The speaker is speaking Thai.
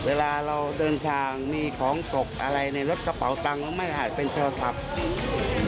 เวลาเราเดินทางมีของตกอะไรในรถกระเป๋าตังค์ไม่อาจเป็นโทรศัพท์